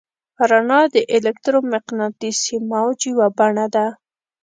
رڼا د الکترومقناطیسي موج یوه بڼه ده.